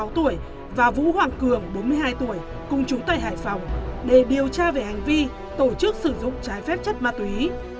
ba mươi sáu tuổi và vũ hoàng cường bốn mươi hai tuổi cùng chú tại hải phòng để điều tra về hành vi tổ chức sử dụng trái phép chất ma túy